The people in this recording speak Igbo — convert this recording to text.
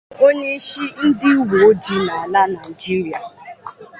onyeisi ndị uweojii n'ala Nigeria